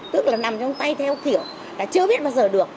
tức là nằm trong tay theo kiểu là chưa biết bao giờ được